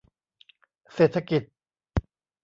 เศรษฐกิจ